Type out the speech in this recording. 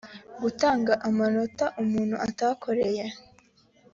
gutanga amanota umuntu atakoreye